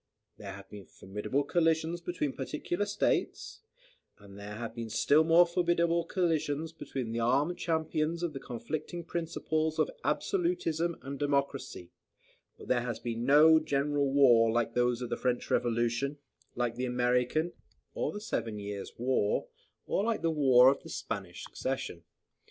There have been formidable collisions between particular states; and there have been still more formidable collisions between the armed champions of the conflicting principles of absolutism and democracy; but there has been no general war, like those of the French Revolution, like the American, or the Seven Years' War, or like the War of the Spanish Succession.